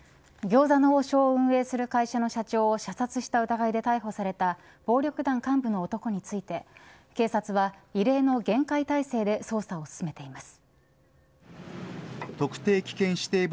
餃子の王将を運営する会社の社長を射殺した疑いで逮捕された暴力団幹部の男について警察は異例の厳戒態勢で捜査を進めています。